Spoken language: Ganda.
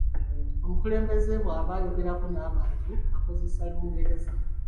Omukulembeze bw’aba ayogerako n’abantu akozesa Lungereza.